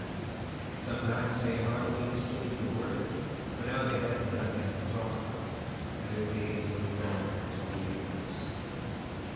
Sometimes they hardly exchanged a word, for now they had nothing to talk about, and their days were long to weariness.